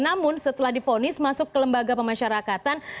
namun setelah difonis masuk ke lembaga pemasyarakatan